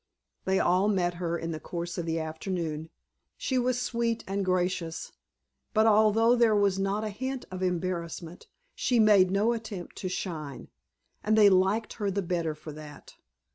They all met her in the course of the afternoon. She was sweet and gracious, but although there was not a hint of embarrassment she made no attempt to shine, and they liked her the better for that.